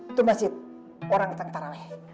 itu masih orang tentang tarane